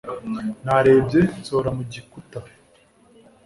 Narebye nsohora mu gikuta.